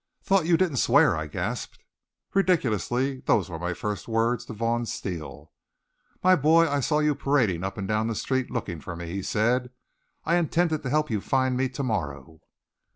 "Thought you didn't swear!" I gasped. Ridiculously those were my first words to Vaughn Steele. "My boy, I saw you parading up and down the street looking for me," he said. "I intended to help you find me to morrow."